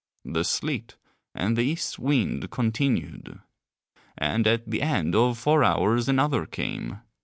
The sleet and the East wind continued. And at the end of four hours another came.